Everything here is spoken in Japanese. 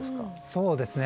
そうですね